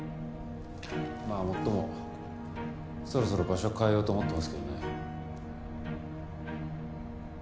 まあもっともそろそろ場所変えようと思ってますけどね。